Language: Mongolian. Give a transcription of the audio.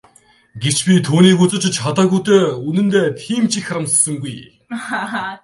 Гэвч би түүнийг үзэж чадаагүй дээ үнэндээ тийм ч их харамссангүй.